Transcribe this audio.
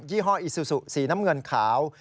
ี่ห้ออิซูซูสีน้ำเงินขาว